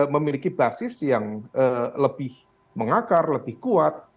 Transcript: memiliki basis yang lebih mengakar lebih kuat